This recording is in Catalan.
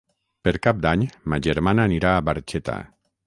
Per Cap d'Any ma germana anirà a Barxeta.